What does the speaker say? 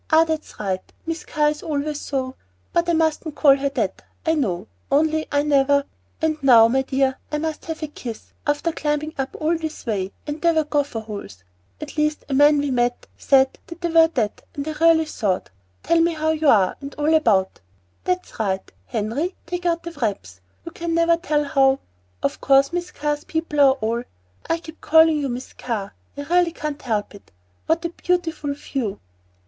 Ah, that's right! Miss Carr is always so but I mustn't call her that, I know, only I never And now, my dear, I must have a kiss, after climbing up all this way; and there were gopher holes at least, a man we met said they were that, and I really thought Tell me how you are, and all about That's right, Henry, take out the wraps; you never can tell how Of course Miss Carr's people are all I keep calling you Miss Carr; I really can't help it. What a beautiful view!"